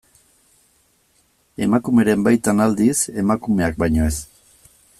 Emakumeren baitan, aldiz, emakumeak baino ez.